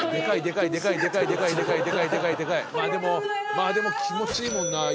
まあでも気持ちいいもんな。